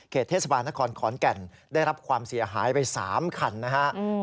เทศบาลนครขอนแก่นได้รับความเสียหายไป๓คันนะครับ